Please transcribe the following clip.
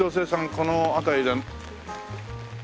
この辺りで。